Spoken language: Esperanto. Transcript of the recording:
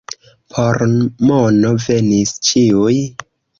Por mono venis ĉiuj.